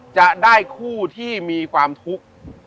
จะได้คู่ที่มีความทุกข์